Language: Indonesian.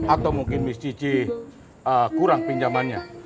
atau mungkin bis cici kurang pinjamannya